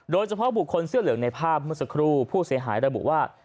โดยเฉพาะบุคคลเสื้อเหลืองในภาพเมื่อสักครู่ผู้เสียหายระบุว่า